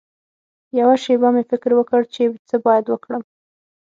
یوه شېبه مې فکر وکړ چې څه باید وکړم.